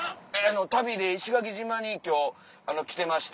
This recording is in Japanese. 旅で石垣島に今日来てまして。